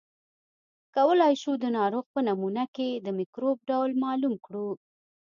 کولای شو د ناروغ په نمونه کې د مکروب ډول معلوم کړو.